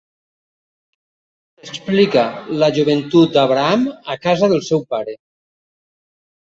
S'explica la joventut d'Abraham a casa del seu pare.